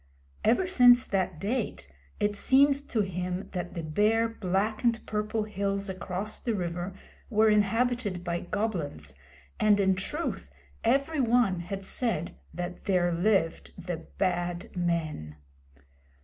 Ever since that date it seemed to him that the bare black and purple hills across the river were inhabited by Goblins, and, in truth, every one had said that there lived the Bad Men.